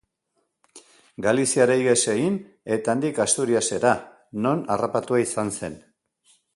Galiziara ihes egin eta handik Asturiasera non harrapatua izan zen.